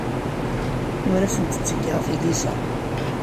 Ur asent-ttgeɣ tilisa.